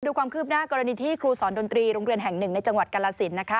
ดูความครึบหน้ากรณีที่ครูสอนดนตรีโรงเรียนแห่ง๑ในจังหวัดกรศัษธ์